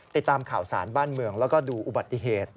ติดตามข่าวสารบ้านเมืองแล้วก็ดูอุบัติเหตุ